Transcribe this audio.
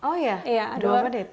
oh iya dua menit